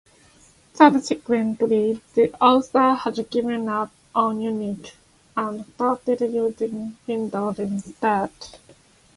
Subsequently the author has given up on Unix and started using Windows instead.